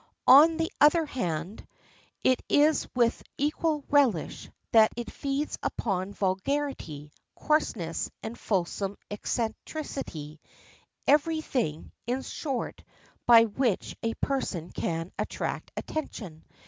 On the other hand, it is with equal relish that it feeds upon vulgarity, coarseness, and fulsome eccentricity,—every thing, in short, by which a person can attract attention.